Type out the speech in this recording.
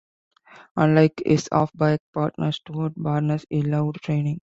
Unlike his half-back partner Stuart Barnes, Hill loved training.